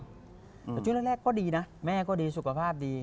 แต่ช่วงแรกก็ดีนะแม่ก็ดีสุขภาพดี